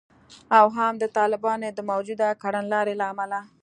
او هم د طالبانو د موجوده کړنلارې له امله